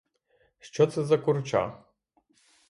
Що за це курча?